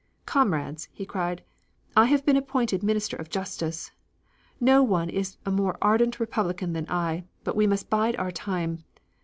"Comrades!" he cried, "I have been appointed Minister of Justice. No one is a more ardent Republican than I, but we must bide our time.